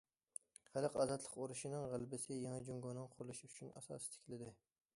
خەلق ئازادلىق ئۇرۇشىنىڭ غەلىبىسى يېڭى جۇڭگونىڭ قۇرۇلۇشى ئۈچۈن ئاساس تىكلىدى.